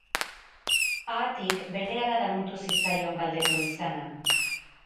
Haatik, berehala damutu zitzaion galdetu izana.